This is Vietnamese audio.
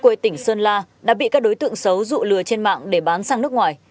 quê tỉnh sơn la đã bị các đối tượng xấu dụ lừa trên mạng để bán sang nước ngoài